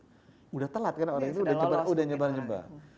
sudah telat karena orang itu sudah nyebar nyebar